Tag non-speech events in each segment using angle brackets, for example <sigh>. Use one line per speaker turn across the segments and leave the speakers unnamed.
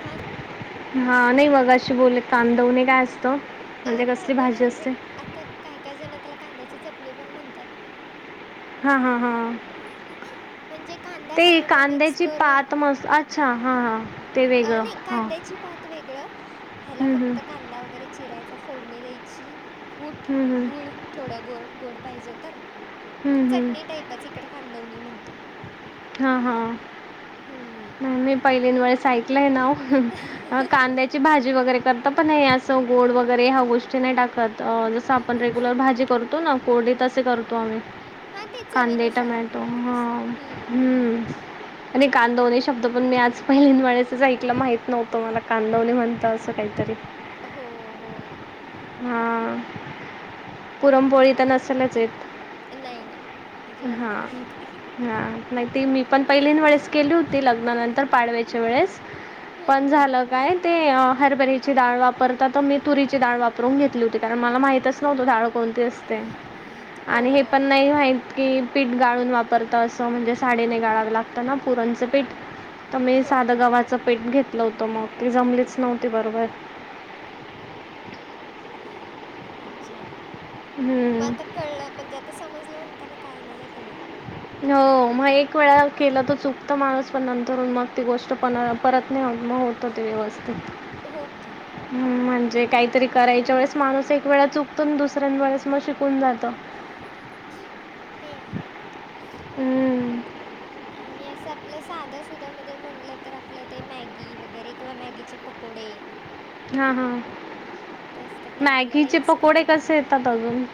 हा
हा नाही मग अशी बोलले कांदवणे काय असतो
अ,
म्हणजे कसली
कांदवणी
भाजी
म्हणजे
असते.
आता काय काय जण त्याला कांद्याची चटणी पण म्हणतात.
हा हा हा
म्हणजे कांदा
ते
टमॅटो मिक्स
कांद्याची
करून
पात मस् अ च्छा हा हा
अ नई कांद्याची पात त वेगळं ह्याला
हं, हं.
फक्त कांदा वगैरे चिरायचा फोडणी द्यायची.
हं,
कुटं
हं.
गूळ थोडं गो गोड पाहिजे तर
हं, हं.
चटणी टाईप त्याच इकडे कांदवणी म्हणतो.
हा हा
हम्म.
नाय मी पहिलीण वेळेस ऐक कलय ना ओ अ कांद्या ची भाजी वगैरे करता पण असं गोड वगैरे ह्या गोष्टी नाय टाकत. अ ज स आपण रेग्युलर भाजी करतो ना कोरडी तस करतो आम्ही
हां ते
कांदे
चवीनुसार
टमॅटो
आपल्याला
हा
कसं
हम्म आणि कांदवणे शब्द पण मी आज पहिल्यांद वेळेसच ऐकलं माहित नव्हतं मला कांदवणे म्हणत असं काहीतरी
हो हो.
हा पुरण पोळी तर नसेलच येत.
नाई नाई
हां हा माहिती मी पण पहिलीन वेळेस केली होती लग्नानंतर पाडव्याच्या वेळेस
हं,
पण
हं.
झालं काय ते हरभरीची डाळ वारताात तर मी तुरीची डाळ वापरून घेतली होती कारण मला माहितच नव्हतं डाळ कोणती असते आणि हे पण
हो.
नाही माहित कि पीठ गाळून वापरत असं म्हणजे साडीने गाळावं लागतं ना पुरणचं पीठ तर मी साधं
ओके.
गव्हाचं पेठ घेतलं होतं मग ती जमलीच नव्हती बरोबर
अच्छा मग आता कळलं म्हणजे आता समजलं <unintelligible> काही नाही आहे का नाही
हो मग एक वेळा केला त चुकता माणूस पण नंतरून मग ती गोष्ट प परत नाही होत त ते व्यवस्थित
हो
हम् म्हणजे काहीतरी करायच्या वेळेस माणूस एक वेळा चुकतो अन् दुसऱ्यां वेळेस मग शिकून जातो
ते आहे
हम्म,
आणि असं आपलं साधं सुध मध्ये म्हणटलं तर आपलं ते मॅगी वगैरे किंवा मॅगीचे पकोडे
हा हा
ते असतात ना आपल्याला
मॅगीचे पकोडे कसे येतात अजून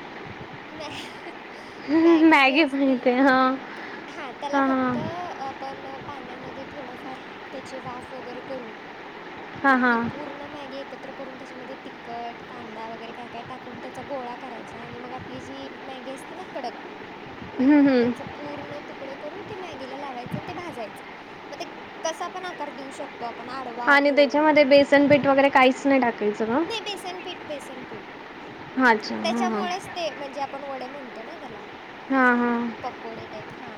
म्या मॅगी जी असती
माहिती आहे हां
हा त्याला
हां हां
फक्त आपण पाण्यामध्ये थोडंफार त्याचे वाफ वगैरे करून
हां
ती
हां
पूर्ण मॅगी एक त्याच्यामध्ये तखट कांदा वगैरे काय काय टाकून त्याचा गोळा करायचा आणि मग आपलीजी ही मॅगी असते ना कडक
हम्म हम्म
त्याचं पूर्ण तुकडे करून ते मॅगीला लावायचं आणि ते भाजायचं मग ते कसा पण आकार देऊ शकतो आपन आडवा गोल
बसनपीठ वगैरे काहीच नाही टाकत
नाही बेसनपीठ बेसनपीठ
हां, अच्छा. हां, हां.
त्याच्यामुळच ते म्हणजे आपण वडे म्हणतो ना त्याला
हां, हां.
पकोडे टाईप हा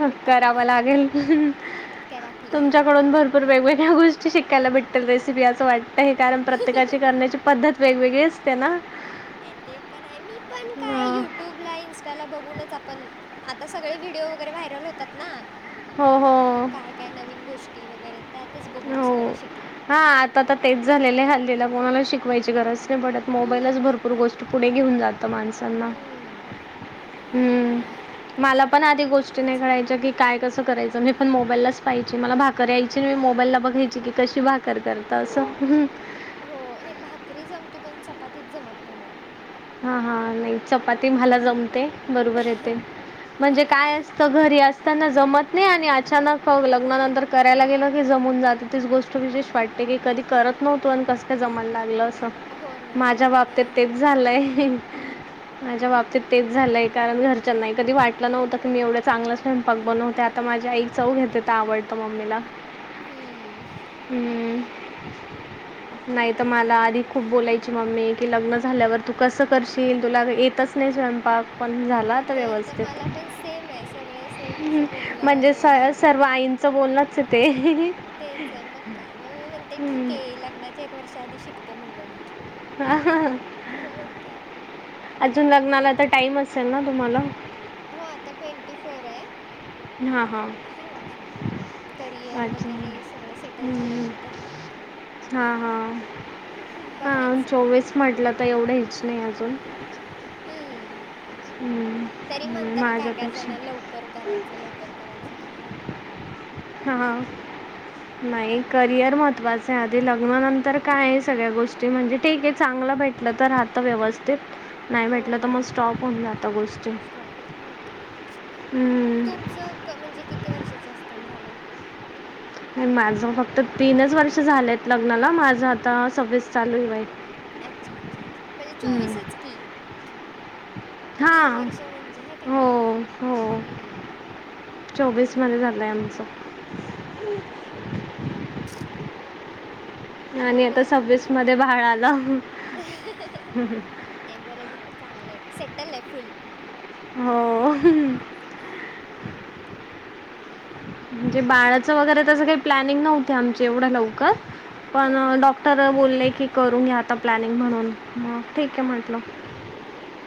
हं, करावं
टाकायचं
लागेल.
कराकी
प वेगवेगळ्या गोष्टी शिकायला भेटेल रेसिपी असं वाटतं आहे कारण प्रत्येकाची करण्याची पद्धत वेगवेगळी असते ना
ते पण आहे मी पण काय
अ,
युट्यूब ला इन्स्टा ला बघूनच आपण आता सगळे व्हिडिओ वगैरे व्हायरल होतात ना
हो हो
काय काय नवीन गोष्टी वगैरे त्यातच बघून सगळं शिकले
हा आता तर तेच झालेलय आहे हल्लीला कोणालाच शिकवायची गरज पडत मोबाईलच
हम्म
भरपूर गोष्ट पुढे घेऊन जातं माणसांना
हम्म
हम्म मला पण आधी गोष्टी नाही
तेच ना.
कळायच्या कि काय कसं करायचं मी पण मोबाईललाच पाहायचे मला भाकर यायचे <unintelligible> <unintelligible> बघायची की कशी भाकर करत असं
हो नाही भाकरी जमती पण चपातीच जमत नाही मला
हा हा नाही चपाती मला जमते बरोबर येते म्हणजे काय असतं घरी अस त्यांना जमत नाही आणि अचानक लग्नानंतर करायला गेल की जमून जात तीच गोष्ट शे वाट की कधी करत नव्हतो आणि कस का जमायला लागल अस
हो ना हो
माझ्या
ना
बाबतीत ते
आहे
झा माझ्या बाबतीत तेच झालंय कारण घरच्या नाही कधी वाट नव्हंत की मी एवढं चांगलं स्वयंपाक बनवते आता माझी आई चव घेते आवडतं मम्मीला
हम्म
हम् नाहीत मला आधी खूप बोलायची मम्मी कि लग्न झाल्यावर तू कसं करशील तुला येतच स्वयंपाक पण झाला आता
इथं इथं
व्यवस्थित
मला पण सेम आहे सगळं सेम असं बोलणं
म्हणजे स
हे मग काय
सर्व आईंचं बोलणच आहे ते
तेच आहे मग काय मग मी म्हणते ठीक
हम्म.
आहे लग्नाच्या एक वर्ष आधी शिकते म्हणलो मी
हा हा ह
हो मग काय
अजून लग्नाला तर टाइम असेल ना तुम्हाला
हो आता ट्वेंटी फोर आहे
हा हा
आहे मग अजून करिअर
अच्छा
वगैरे सगळं
ह
सेटल
ह
झाल्यानंतर
हा हा हा
बघायचं
चोवीस म्हटलं तर एवढं हेच नाही अजून
हम्म तरी
हं,
म्हणतात काय काय
माझ्यापेक्षा
जण लवकर करायचं लवकर करायचं काय
हा ह नाही करियर महत्त्वाच आहे आधी लग्नानंतर काय आहे सगळ्या गोष्टी म्हणजे ठीक आहे चांगलं भेट लं तर राहत व्यवस्थित नाही
हो
भेटलं तर मग
हो
स्टॉप पर्ण आता गोष्टी
स्टॉप मग काय तुमचं म्हणजे किती वर्षाच असता झालं
माझं फक्त तीनच वर्ष झालेत लग्नाला माझं आता सर्स चालू बा आहे
अच्छा अच्छा अच्छा म्हणजे
हं.
चोवीसच की तीन
हां
वर्ष म्हणजे ह का नाही हम्म
चोवीस मध्ये झालंय आमचं आणि आता सव्वीसमध्ये
बघूआताक्काय
बाळ आलं
नाही बरं झालं चांगलं आहे सेटल आहे फुल
हो म्हणजे बाळाच वगैरे त काही प्लॅनिंग नव्हत आम एवढं लवकर पण
हम्म, हम्म.
डॉक्टर बोलले की करून घ्या आता प्लॅनिंग म्हणून मग ठीक आहे म्हंटलं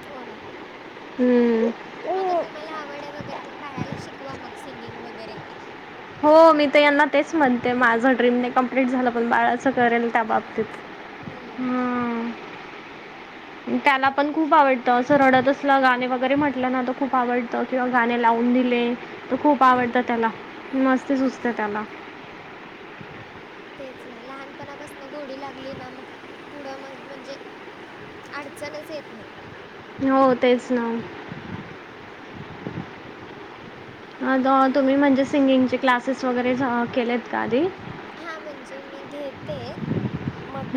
हो ना
हम्म
मता तुम्हाला आवड आहे वगैरे मग बाळाला शिकवा मग सिंगिंग वगैरे
हो मी तर यांना तेच म्हणते माझंड्रीम नाही कमप्लीट झालं पण बाळाच करेल त्या बाबतीत
बाळाचं हम्म
त्याला पण खूप आवडतं असं रडत असलं गाणे वगैरे म्हटलं ना तर खूप आवडतं किंवा गाणे लावून दिले तर खूप आवडतं
हम्म
त्याला मस्ती सुचते त्याला
तेच ना लहानपणापासन गोडी लागली ना मग पुढं मग म्हणजे अडचणच येत नाही
हो तेच ना अ तुम्ही म्हणजे सिंगिंगचे क्लासेस वगैरे केलेत का आधी
हा म्हणजे मी घेते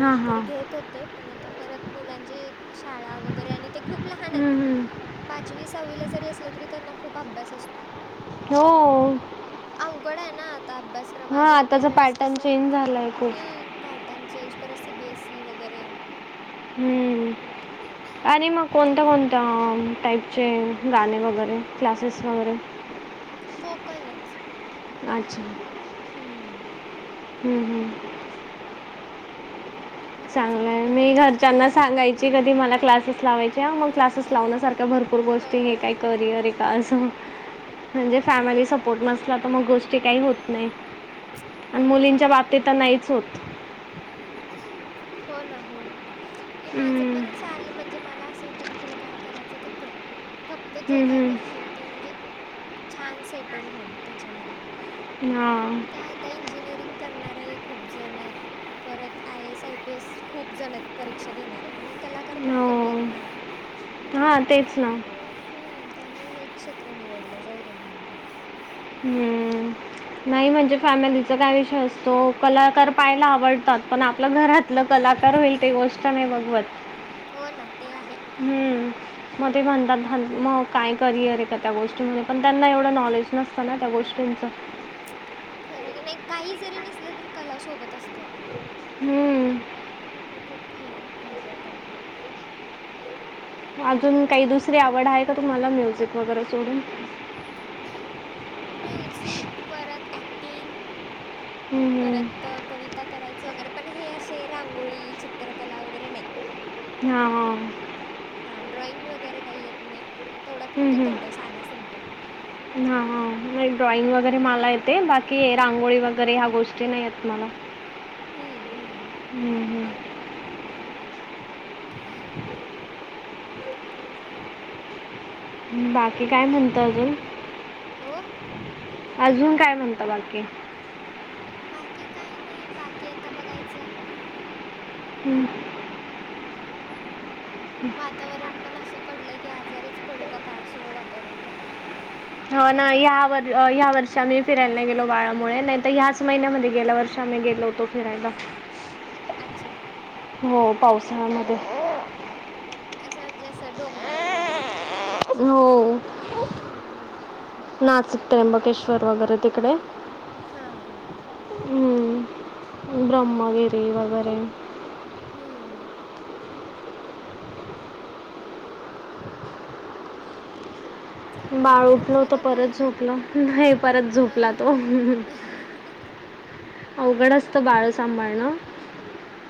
हां हां
घेत होते पण आता परत मुलांचे शाळा वगैरे आणि ते खूप लहान आहेत
हम्म, हम्म.
पाचवी सहावीला जरी असलं तरी त्यांना खूप अभ्यास असतो
हो
अवघड आहे ना आता अभ्यासक्रम
हां
आधी आपल्या
आताचं
वेळेस
पॅटर्न
कस
चेंज झालाय खूप
पॅटर्न चेंज परत सीबीएससी वगैरे
आणि मग कोणता
त्यामुळं
कोणता्या टाईप चे गाणे वगैरे क्लासेस वगैरे
हो कळलच
अच्छा
हम्म
हम् हम्म
तर बघायचं आता
चांगलंय. मी
परत
घरच्यांना सांगायच- ची. कधी मला क्लासेस लावायच्या. मग क्लासेस लावण्यासारख्या भरपूर गोष्टी हे
हो
काय करिअर ए- असं. म्हणजे फॅमिली सपोर्ट नसला तर मग गोष्ट- काही होत नाही आणि
ते पण
मुलींच्या
आहे.
बाबतीत तर नाहीच होत.
हो ना हो. ते माझं-
हम्म,
पण चाल म्हणजे, मला असं होत की तुला काय करायचं ते कर. फक्त जे काय-
हम्म,
करशील ते म्हणजे, छान सेटल होऊन त्याच्यामध्ये.
हां.
<unintelligible> इंजिनिअरिंग करणारे खूप जण आहेत. परत I S, I P S खूप जणयेत परीक्षा देणारे. पण एक कला- -कार खूप कमी आहेत ना?
हो हां तेच ना
<unintelligible> त्यामुळे हेच क्षेत्र निवडलं. जाऊ दे म्हणलं मग.
हम्म. नाही म्हणजे फॅमिलीचा काय विषय असतो? कलाकार पाहायला आवडतात पण आपल्या घरात- आपलं कलाकार होईल ते गोष्ट नाही बघवत.
हो ना. ते आहे.
हं. मग ते म्हणतात मग काय करिअर आहे का त्या गोष्टीमध्ये? पण त्यांना एवढं नॉलेज- नसत ना त्या गोष्टींच.
खरं कि नाही, काही जरी नसल तरी कला सोबत असते आपल्या.
हम्म.
ते खूप हेय इम्पॉर्टंट.
अजून काही दुसरी आवड आहे का तुम्हाला? म्युझिक वगैरे सोडून.
म्युझिक परत ॲक्टिंग-
हम्.
परत कविता करायचं वगैरे. पण हे असे रांगोळी, चित्रकला वगैरे नाही.
हा. हां.
हा. ड्रॉइंग वगैरे काही येत नाही. तेवढ्या
हं,
पुरतं तेवढं साधं सिम्पल.
हं. हा. ड्रॉइंग वगैरे
हम्म
मला येते. बाकी रांगोळी वगैरे ह्या गोष्टी- नाही येत मला.
हम्म हम्म.
हम्म. हं.
ते झाले.
बाकी काय म्हणता
करिअर
अजून?
ओ
अजून काय म्हणता बाकी?
बाकी काय नाही. बाकी आता बघायचं.
हम्.
वातावरण पण असं पडलंय की आजारीच पडू का काय असं वातावरण पडलय.
हो ना. या व ह्या वर्षी आम्ही फिरायला गेलो नाही बाळामुळे. नाही तर ह्याच महिन्यामध्ये गेल्या वर्षी आम्ही गेलो होतो. फिरायला.
अच्छा.
हो. पावसाळ्यामध्ये.
अच्छा. म्हणजे असं डोंगरावर वगैरे-
हो.
हम्म.
नाच- त्र्यंबकेश्वर वगैरे तिकड-
हा हा हा.
हम्म. ब्रम्हगिरी वगैरे.
हम्म. चांगलं आहे
बाळ
की
उठल
उठलं
होत.
का काय?
परत झोपल. नाही परत झोपला तो.
हां
अवघड असत बाळ सांभाळणं.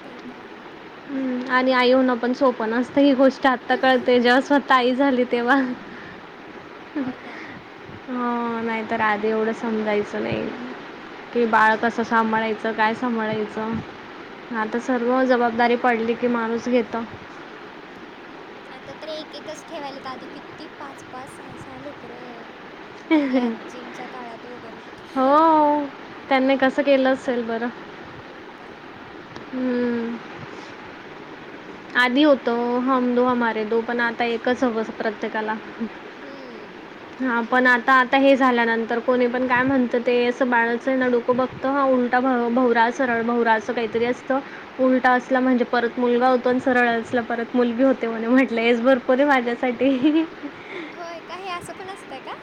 ते तर आहे.
हम् आणि आई होण पण सोप नसत. ही गोष्ट आत्ता कळते जेव्हा स्वतः आई झाले. तेव्हा.
हो ना
ह नाही तर आधी एवढं समजायचं नाही की बाळ कस कसं सांभाळायचं, काय सांभाळायचं. आता सर्व
मग काय
जबाबदारी पडली की माणूस घेत.
आता तर एक एकच ठेवायलेत आधी किती पाच पाच सहा सहा लेकरं आपल्या आजींच्या काळात वगैरे
हो, त्यांनी कसं केलं असेल बरं.
मग काय.
हम्म आधी होत हम दो हमारे दो पण आता एकच हवं प्रत्येकाला.
हम्म
हा पण आता आता हे झाल्यानंतर कोणी पण काय म्हणतं ते असं बाळाचं डोकं बघत ह उल भौरा सरळ भौरा असं काहीतरी असतं उलटा असला म्हणजे परत मुलगा हो पण सरळ असलं परत मुलगी होते म्हणे म्हटलं हेच भरपूर आहे माझ्यासाठी.
होय काय हे असं पण असतंय का?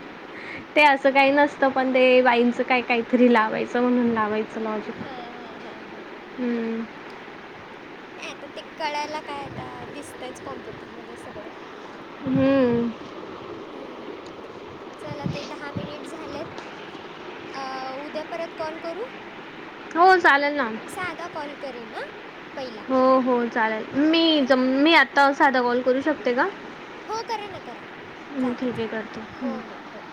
ते असं काही नसतं पण ते बाईंचं काय काहीतरी लावायचं म्हणून लावायचं. लॉजिक
हा हा हा हा
हम्म
नाही आता ते कळायला काय आता दिसतंयच कॉम्प्युटरमध्ये सगळं.
हम्म
हम्म. चला ताई दहा मिनिट झालेत. आ उद्या परत कॉल करू,
हो चालेल ना.
साधा कॉल करीन आ.
हो हो चालेल मी ज मी आता साधा कॉल करू शकते का?
हो करा ना करा
हो
चालतं
ठीक आहे करते.
चालतं
हम्
हो हो हो